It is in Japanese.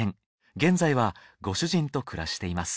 現在はご主人と暮らしています